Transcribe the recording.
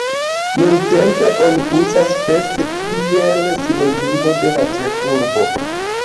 Nuntempe oni uzas "Pest", kiel sinonimo de la ĉefurbo.